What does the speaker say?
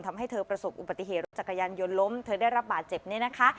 ทำให้เธอประสบอุบัติเหตุรถจักรยานยนต์ล้มเธอได้รับบาดเจ็บนี้นะคะ